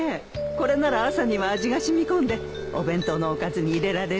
これなら朝には味が染み込んでお弁当のおかずに入れられるよ。